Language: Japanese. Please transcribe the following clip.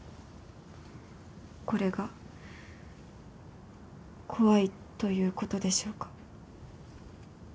これが怖いということでしょうか。